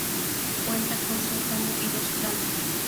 Cuenta con sótano y dos plantas.